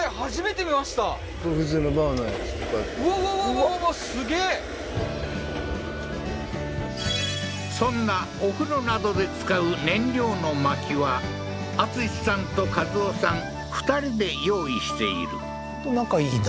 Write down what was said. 俗に言うそんなお風呂などで使う燃料の薪は敦さんと一夫さん２人で用意している本当仲いいな